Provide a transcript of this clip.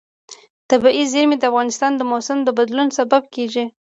طبیعي زیرمې د افغانستان د موسم د بدلون سبب کېږي.